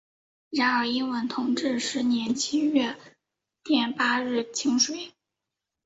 然而因为同治十年七月廿八日请水。